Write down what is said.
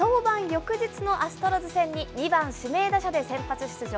翌日のアストロズ戦に２番指名打者で先発出場。